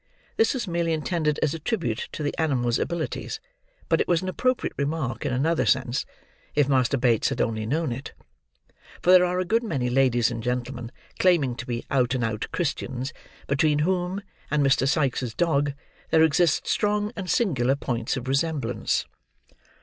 This was merely intended as a tribute to the animal's abilities, but it was an appropriate remark in another sense, if Master Bates had only known it; for there are a good many ladies and gentlemen, claiming to be out and out Christians, between whom, and Mr. Sikes' dog, there exist strong and singular points of resemblance.